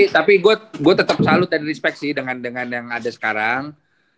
tapi gue tetap salut dan respect sih dengan yang ada sekarang